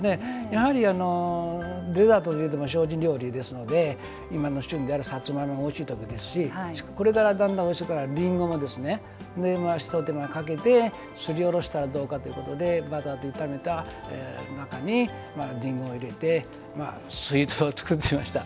やはり、デザートいうても精進料理ですので今の旬であるさつまいもがおいしい時ですしこれからだんだんおいしくなってりんごもひと手間かけてすりおろしたらどうかということでバターで炒めた中にりんごを入れてスイーツを作ってみました。